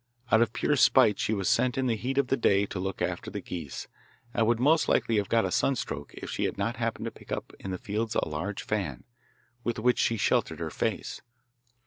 Out of pure spite she was sent in the heat of the day to look after the geese, and would most likely have got a sunstroke if she had not happened to pick up in the fields a large fan, with which she sheltered her face.